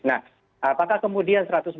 nah apakah kemudian